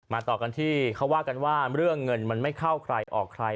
ต่อกันที่เขาว่ากันว่าเรื่องเงินมันไม่เข้าใครออกใคร